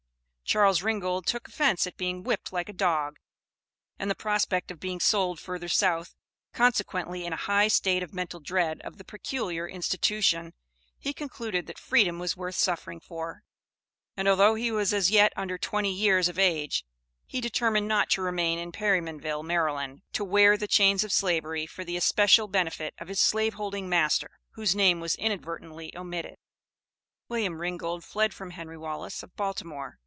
Charles Ringgold took offence at being whipped like a dog, and the prospect of being sold further South; consequently in a high state of mental dread of the peculiar institution, he concluded that freedom was worth suffering for, and although he was as yet under twenty years of age, he determined not to remain in Perrymanville, Maryland, to wear the chains of Slavery for the especial benefit of his slave holding master (whose name was inadvertently omitted). William Ringgold fled from Henry Wallace, of Baltimore.